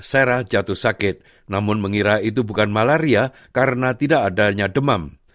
sarah jatuh sakit namun mengira itu bukan malaria karena tidak adanya demam